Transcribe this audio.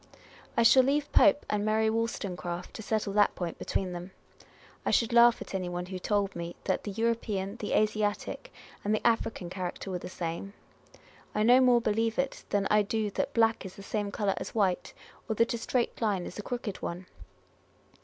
I shall leave Pope and Mary Wolstonecraft to settle that point between them. I should laugh at any one who told me that the European, the Asiatic, and the African character were the same. I no more believe it than I do that black is the same colour as white, or that a straight line is a crooked one.